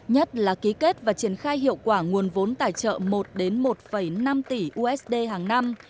nhất là ký kết và triển khai hiệu quả nguồn vốn tài trợ một một năm tỷ usd hàng năm